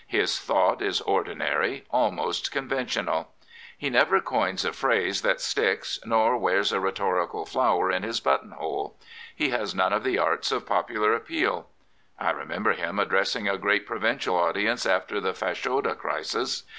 Sis thought is ordinary, almost conventional. Hfj Sir Edward Grey never coins a phrase that sticks, nor wears a rhetorical flower in his button hole. He has none of the arts of popular appeal. I remember him addressing a great provincial audience after the Fashoda crisis.